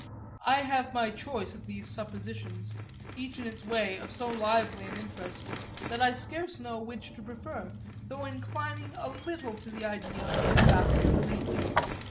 I have my choice of these suppositions, each in its way of so lively an interest that I scarce know which to prefer, though inclining perhaps a little to the idea of the backward reach.